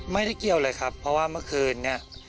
ไม่ได้เกี่ยวเลยครับเพราะว่าเมื่อคืนนี้